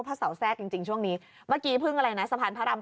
เสาแทรกจริงช่วงนี้เมื่อกี้พึ่งอะไรนะสะพานพระราม